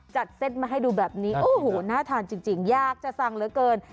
เซ็ตมาให้ดูแบบนี้โอ้โหน่าทานจริงอยากจะสั่งเหลือเกิน